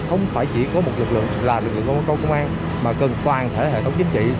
không phải chỉ có một lực lượng là lực lượng công an mà cần toàn thể hệ thống chính trị